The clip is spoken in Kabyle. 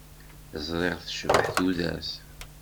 Ẓriɣ tecbeḥ tudert.